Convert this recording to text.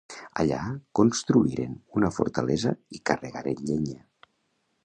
Allà construïren una fortalesa i carregaren llenya.